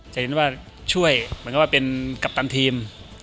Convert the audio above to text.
เจชีวร์ช่วยเป็นกัปตันทีม